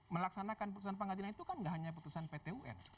melaksanakan putusan pengadilan itu kan gak hanya putusan pt un